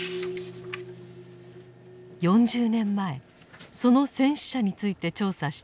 ４０年前その戦死者について調査した澤地さん。